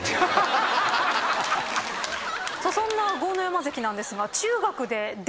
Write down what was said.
そんな豪ノ山関なんですが。